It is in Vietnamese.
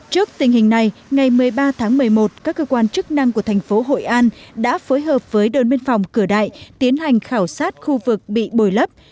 trước tình hình này ngày một mươi ba tháng một mươi một các cơ quan chức năng của thành phố hội an đã phối hợp với đồn biên phòng cửa đại tiến hành khảo sát khu vực bị bồi lấp